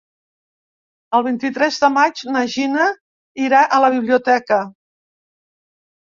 El vint-i-tres de maig na Gina irà a la biblioteca.